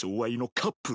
カカップル？